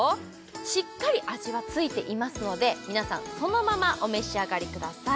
しっかり味はついていますので皆さんそのままお召し上がりください